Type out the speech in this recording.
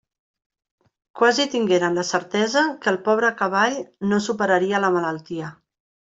Quasi tingueren la certesa que el pobre cavall no superaria la malaltia.